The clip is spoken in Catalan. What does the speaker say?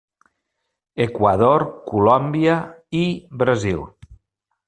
Equador, Colòmbia i Brasil.